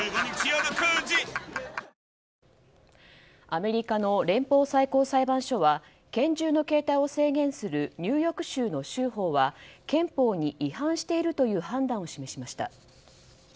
アメリカの連邦最高裁判所は拳銃の携帯を制限するニューヨーク州の州法は憲法に違反しているという判断を示しました。